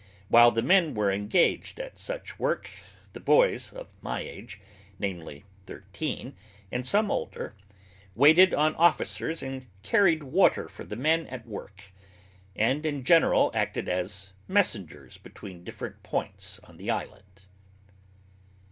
While the men were engaged at such work, the boys of my age, namely, thirteen, and some older, waited on officers and carried water for the men at work, and in general acted as messengers between different points on the island.